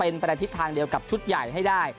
เป็นไปในทิศทางเดียวกับชุดใหญ่ให้ได้